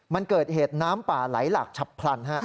มันเกิดเหตุน้ำป่าไหลหลากฉับพลัน